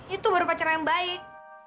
itu baru pacaran yang baik